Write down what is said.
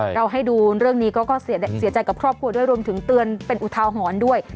เราให้ดูเรื่องนี้ก็เสียใจกับครอบครัวด้วยรวมถึงเตือนเป็นอุทาหรณ์ด้วย